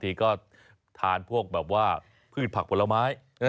ติดตามทางราวของความน่ารักกันหน่อย